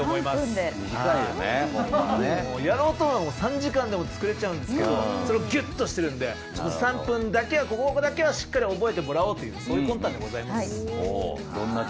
見たいよねほんまはね。やろうと思えば３時間でも作れちゃうんですけどそれをギュッとしてるので３分だけここだけはしっかり覚えてもらおうという魂胆でございます。